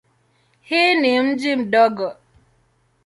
Hii ni mji mdogo.